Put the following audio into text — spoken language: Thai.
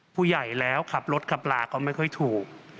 ผู้ใหญ่แล้วขับรถขับลาก็ไม่ค่อยถูก